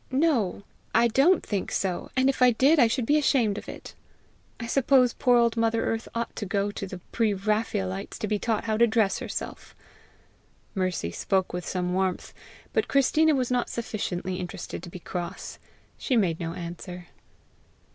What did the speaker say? "No, I don't think so; and if I did I should be ashamed of it. I suppose poor old mother Earth ought to go to the pre Raphaelites to be taught how to dress herself!" Mercy spoke with some warmth, but Christina was not sufficiently interested to be cross. She made no answer.